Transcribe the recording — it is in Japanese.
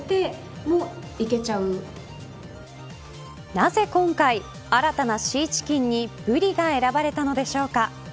なぜ今回、新たなシーチキンにブリが選ばれたのでしょうか。